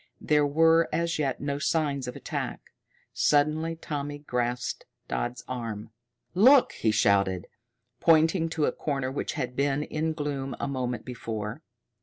There were as yet no signs of attack. Suddenly Tommy grasped Dodd's arm. "Look!" he shouted, pointing to a corner which had been in gloom a moment before.